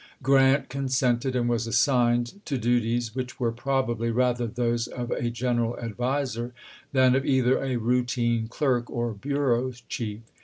Grant consented, and was assigned to duties which were probably rather those of a general adviser than of either a routine clerk or bureau chief.